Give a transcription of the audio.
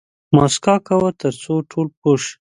موسکا کوه تر څو ټول پوه شي